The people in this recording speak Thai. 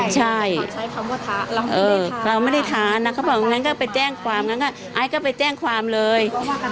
ใช่เราไม่ได้ท้านะเขาบอกงั้นก็ไปแจ้งความงั้นไอ้ก็ไปแจ้งความเลย